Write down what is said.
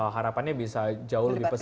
harapannya bisa jauh lebih pesat lagi